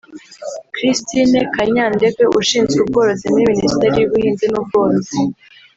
Cristine Kanyandekwe ushinzwe ubworozi muri Minisiteri y’ ubuhinzi n’ ubworozi